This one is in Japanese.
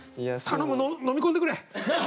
頼む飲み込んでくれ！